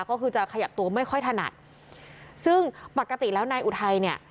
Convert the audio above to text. ก็คือจะขยับตัวไม่ค่อยถนัดซึ่งปกติแล้วนายอุทัยเนี่ย